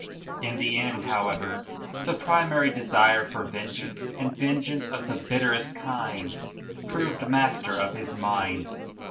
In the end, however, the primary desire for vengeance and vengeance of the bitterest kind proved master of his mind.